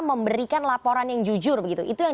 memberikan laporan yang jujur begitu itu yang